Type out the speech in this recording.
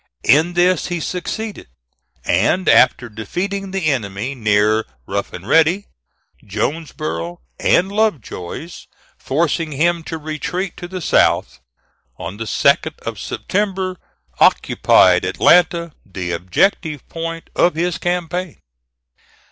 In this he succeeded, and after defeating the enemy near Rough and Ready, Jonesboro, and Lovejoy's, forcing him to retreat to the south, on the 2d of September occupied Atlanta, the objective point of his campaign.